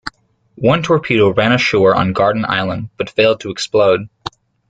One torpedo ran ashore on Garden Island, but failed to explode.